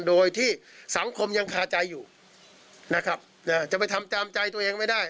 โดยที่สังคมยังคาใจอยู่นะครับนะจะไปทำตามใจตัวเองไม่ได้